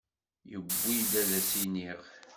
Yewwi-d ad as-iniɣ?